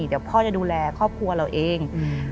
เดี๋ยวพ่อจะดูแลครอบครัวเราเอง